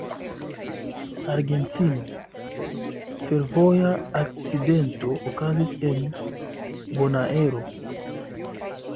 Argentino: Fervoja akcidento okazis en Bonaero.